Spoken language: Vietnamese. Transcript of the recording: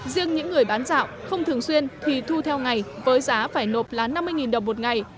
riêng những người bán dạo không thường xuyên thì thu theo ngày với giá phải nộp là năm mươi đồng một ngày